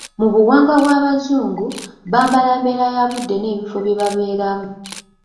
Mu buwangwa bw'Abazungu, bambala mbeera y'obudde n'ebifo bye babeeramu.